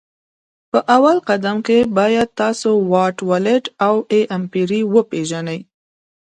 په اول قدم کي باید تاسو واټ ولټ او A امپري وپيژني